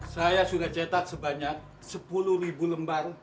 saya sudah cetak sebanyak sepuluh lembar